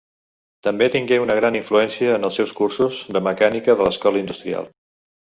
També tingué una gran influència en els seus cursos de mecànica de l'Escola Industrial.